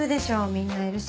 みんないるし。